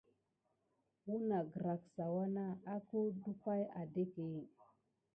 Ounagrassa wuna akou dumpay aɗéke.